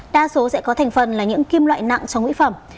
đa số sẽ có thành phần là những kim loại nặng trong mỹ phẩm